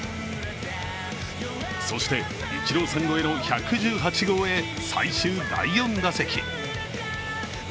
そしてイチローさん超えの１１８号へ、最終第４打席。